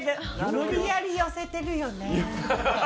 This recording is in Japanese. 無理やり寄せてるよね。